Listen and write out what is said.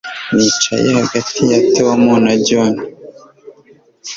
Nicaye hagati ya Tom na John